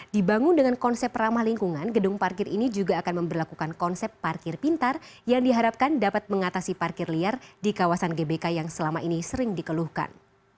dibangun dengan konsep ramah lingkungan gedung parkir ini juga akan memperlakukan konsep parkir pintar yang diharapkan dapat mengatasi parkir liar di kawasan gbk yang selama ini sering dikeluhkan